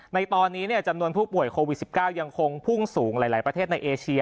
ในตอนนี้จำนวนผู้ป่วยโควิด๑๙ยังคงพุ่งสูงหลายประเทศในเอเชีย